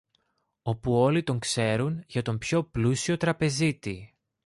όπου όλοι τον ξέρουν για τον πιο πλούσιο τραπεζίτη.